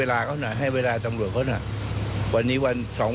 ทางอะไรเดี๋ยวเราจะกรอบกากธาตุทั้งสอง